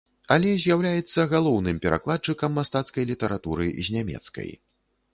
Але з'яўляецца галоўным перакладчыкам мастацкай літаратуры з нямецкай.